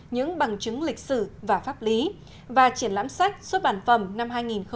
những bằng chứng lịch sử và pháp lý và triển lãm sách xuất bản phẩm năm hai nghìn một mươi chín